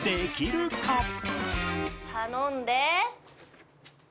頼んで。